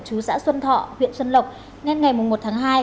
chú xã xuân thọ huyện xuân lộc nên ngày một tháng hai